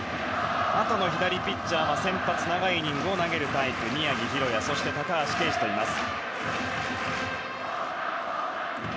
あとの２人ピッチャーは、先発で長いイニングを投げるタイプ宮城大弥、高橋奎二といます。